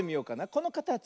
このかたち